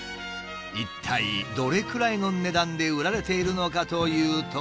一体どれくらいの値段で売られているのかというと。